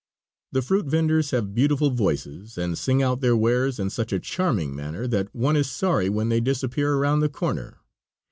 The fruit venders have beautiful voices, and sing out their wares in such a charming manner that one is sorry when they disappear around the corner.